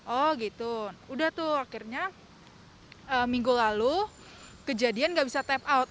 oh gitu udah tuh akhirnya minggu lalu kejadian gak bisa tap out